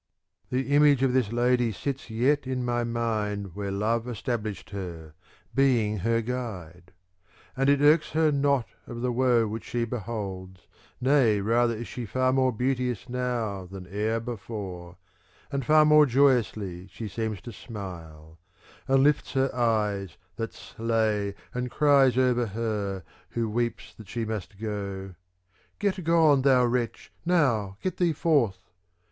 The image of this lady sits yet in my mind where love established her, being her guide : And it irks her not of the woe which she beholds, nay rather is she far more beauteous now than e'er before, and far more joyously she seems to smile : And lifts her eyes that slay, and cries Over her ^ who weeps that she must go :' Get gone, thou wretch, now get thee forth